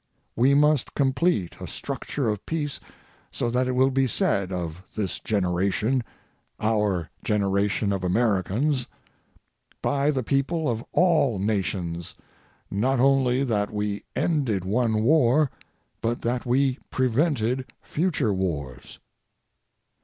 We must complete a structure of peace so that it will be said of this generation, our generation of Americans, by the people of all nations, not only that we ended one war but that we prevented future wars.